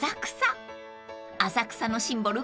［浅草のシンボル